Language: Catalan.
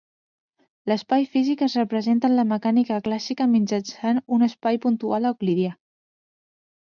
L'espai físic es representa en la Mecànica Clàssica mitjançant un espai puntual euclidià.